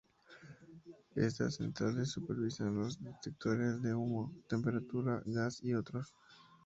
Estas centrales supervisan los detectores de humo, temperatura, gas y otros.